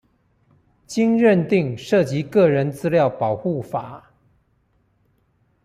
經認定涉及個人資料保護法